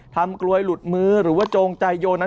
กลวยหลุดมือหรือว่าโจงใจโยนนั้น